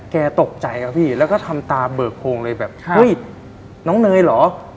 แกตกใจครับพี่แล้วก็ทำตาเบิกโพงเลยแบบเฮ้ยน้องเนยเหรอ